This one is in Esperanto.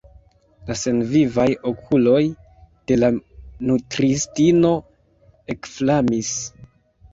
La senvivaj okuloj de la nutristino ekflamis.